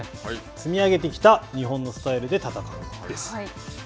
積み上げてきた日本のスタイルで戦うです。